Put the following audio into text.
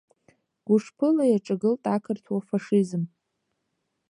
Гәышԥыла иаҿагылт ақырҭуа фашизм.